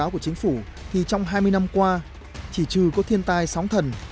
chỉ trừ có thiên tai sóng thần